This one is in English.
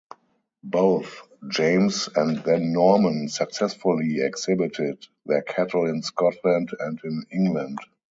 Both James and then Norman successfully exhibited their cattle in Scotland and in England.